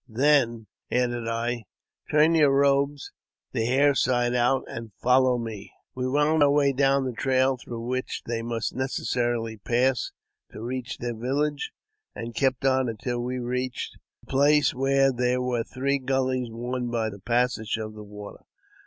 "Then," added I, *' turn your robes the hair side out, and follow me." We wound our way down the trail through which they mufi necessarily pass to reach their village, and kept on until w reached a place where there were three gullies worn by th passage of the water.